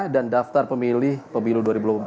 dan daftar pemilih pemilu dua ribu dua puluh empat